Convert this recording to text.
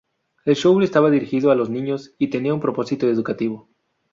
El show estaba dirigido a los niños y tenía un propósito educativo.